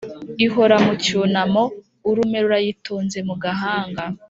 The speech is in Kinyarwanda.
ihora mu cyunamo, urume rurayitonze mu gahanga.